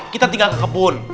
kita tinggal ke kebun